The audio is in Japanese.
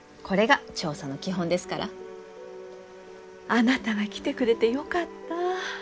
あなたが来てくれてよかった。